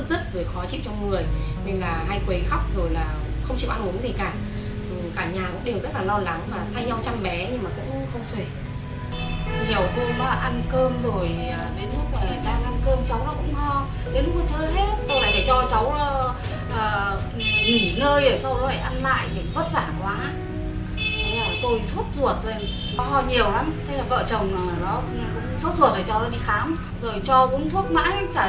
tôi suốt ruột rồi ho nhiều lắm thế là vợ chồng nó cũng suốt ruột rồi cháu nó đi khám rồi cho cũng thuốc mãi chả thấy tuyên giảm cái gì cả